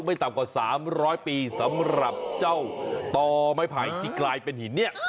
ไม่ต่ำกว่าสามร้อยปีสำหรับเจ้าต่อไม้ผ่ายอีกรายเป็นหินเนี่ย